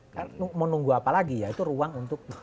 kan menunggu apa lagi ya itu ruang untuk